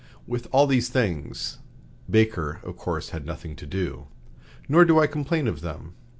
With all these things, Baker of course had nothing to do. Nor do I complain of them.